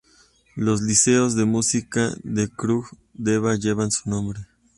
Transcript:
Los liceos de música de Cluj y Deva llevan su nombre.